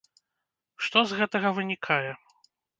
Што з гэтага вынікае?